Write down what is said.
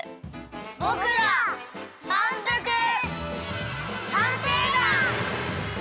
ぼくらまんぷく探偵団！